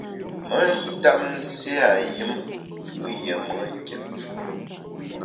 Me ntap nségha yùm fù’ yié me nkit fu ne.